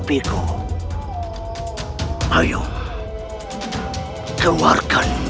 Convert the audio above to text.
kisah kata yang saya ragam